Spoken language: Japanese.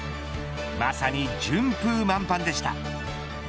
まさに順風満帆でした。